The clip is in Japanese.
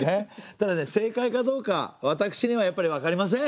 ただね正解かどうか私にはやっぱりわかりません。